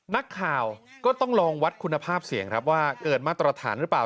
นักข่าวก็ต้องลองวัดคุณภาพเสียงครับว่าเกินมาตรฐานหรือเปล่า